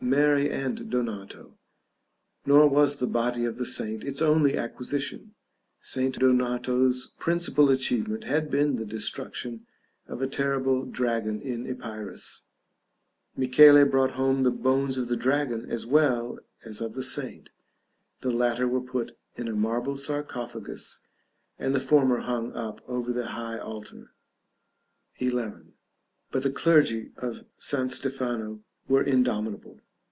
Mary and Donato. Nor was the body of the saint its only acquisition: St. Donato's principal achievement had been the destruction of a terrible dragon in Epirus; Michele brought home the bones of the dragon as well as of the saint; the latter were put in a marble sarcophagus, and the former hung up over the high altar. § XI. But the clergy of St. Stefano were indomitable.